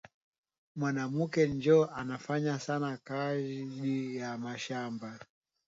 Mwanamuke njo anafanyaka sana kaji ya mashamba